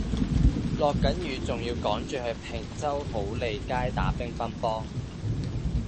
落緊雨仲要趕住去坪洲好利街打乒乓波